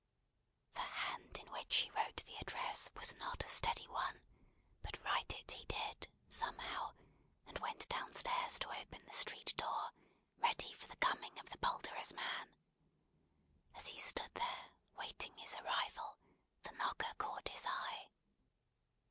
The hand in which he wrote the address was not a steady one, but write it he did, somehow, and went down stairs to open the street door, ready for the coming of the poulterer's man. As he stood there, waiting his arrival, the knocker caught his eye.